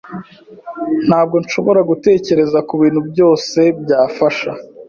Ntabwo nshobora gutekereza kubintu byose byafasha.